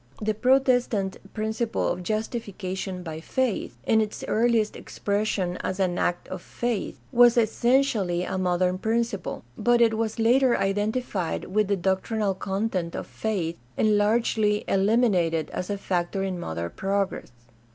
The Protestant principle of justification by faith, in its earliest expression as an act of faith, was essentially a modern principle; but it was later identified with the doc trinal content of faith and largely eliminated as a factor in modern progress.